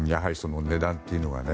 値段というのがね。